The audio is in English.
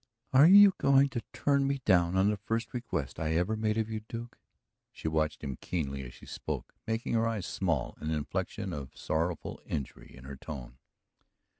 "Are you going to turn me down on the first request I ever made of you, Duke?" She watched him keenly as she spoke, making her eyes small, an inflection of sorrowful injury in her tone.